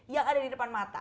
yang ada di depan mata